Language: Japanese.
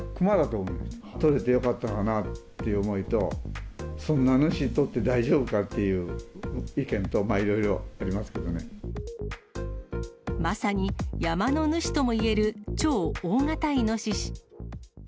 とれてよかったという思いと、そんな主とって、大丈夫かっていう意見と、いろいろありますけどまさに山の主ともいえる超大型イノシシ。